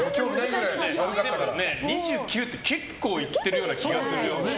２９って結構いってるような気がするよ。